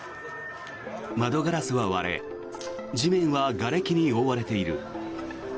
窓ガラスは割れ地面はがれきに覆われている。